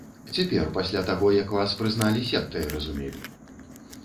Цяпер, пасля таго, як вас прызналі сектай, разумею.